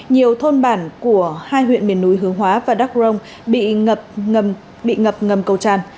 nhiều thôn bản của hai huyện miền núi hướng hóa và đắk rồng bị ngập ngầm cầu tràn